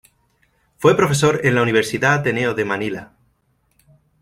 Fue profesor en la Universidad Ateneo de Manila.